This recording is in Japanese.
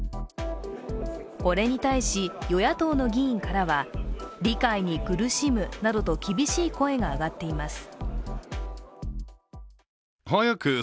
これに対し与野党の議員からは、理解に苦しむなどと厳しい声が上がっています。